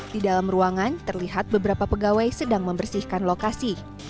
di dalam ruangan terlihat beberapa pegawai sedang membersihkan lokasi